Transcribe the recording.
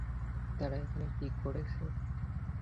তারা এখানে কী করছে?